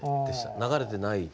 流れてない。